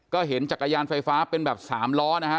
ก็เห็นจักรยานไฟฟ้าเป็นแบบ๓ล้อนะฮะ